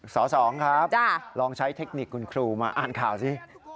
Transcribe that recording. ส๒ครับลองใช้เทคนิคคุณครูมาอ่านข่าวสิ